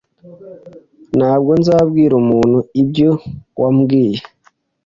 Ntabwo nzabwira umuntu ibyo wambwiye.